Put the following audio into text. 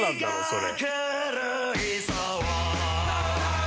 それ。